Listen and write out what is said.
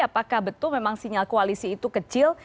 apakah betul memang sinyal koalisi itu kecil